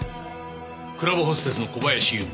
クラブホステスの小林由美。